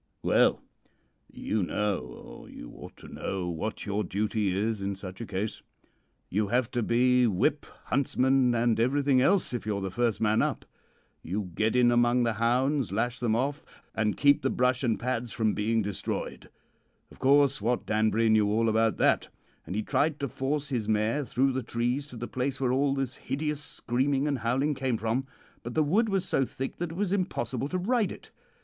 "Well, you know, or you ought to know, what your duty is in such a case. You have to be whip, huntsman, and everything else if you are the first man up. You get in among the hounds, lash them off, and keep the brush and pads from being destroyed. Of course, Wat Danbury knew all about that, and he tried to force his mare through the trees to the place where all this hideous screaming and howling came from, but the wood was so thick that it was impossible to ride it.